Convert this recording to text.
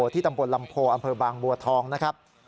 ตำบลลำโพอำเภอบางบัวทองนะครับ